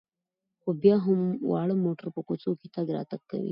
خو بیا هم واړه موټر په کوڅو کې تګ راتګ کوي.